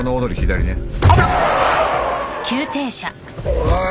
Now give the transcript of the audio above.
おい。